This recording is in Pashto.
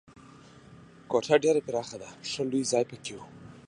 کوټه ډېره پراخه وه، ښه لوی ځای پکې و.